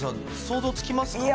想像つきますか？